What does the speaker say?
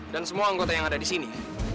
dan semua anggota yang ada disini